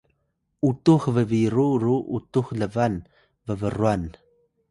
utux bbiru ru utux lban bbrwan